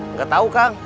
nggak tahu kang